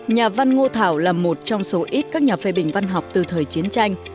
nhà văn ngô thảo là một trong số ít các nhà phê bình văn học từ thời chiến tranh